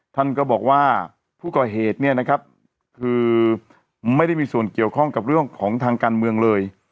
ท่านก็บอกว่าผู้ก่อเหตุเนี่ยนะครับคือไม่ได้มีส่วนเกี่ยวข้องกับเรื่องของทางการเมืองเลย